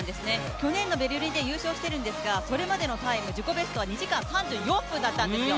去年のベルリンで優勝しているんですがそれまでのタイム、自己ベストは２時間３４分だったんですよ。